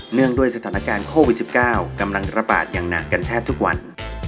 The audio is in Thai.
งด้วยสถานการณ์โควิด๑๙กำลังระบาดอย่างหนักกันแทบทุกวัน